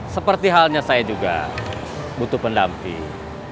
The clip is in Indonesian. seperti halnya saya juga butuh pendamping